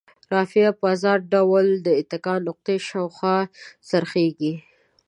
رافعه په ازاد ډول د اتکا نقطې شاوخوا څرخیږي.